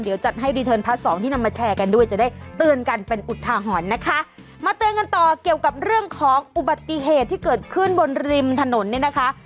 เดี๋ยวจัดให้รีเทิร์นพาร์ทสองที่นำมาแชร์กันด้วยจะได้เตือนกันเป็นอุทาหรณ์นะคะมาเตือนกันต่อเกี่ยวกับเรื่องของอุบัติเหตุที่เกิดขึ้นบนริมถนนเนี่ยนะคะ